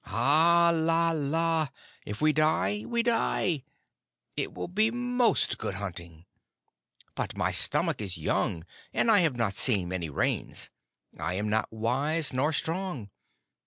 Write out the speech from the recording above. "Alala! If we die, we die. It will be most good hunting. But my stomach is young, and I have not seen many Rains. I am not wise nor strong.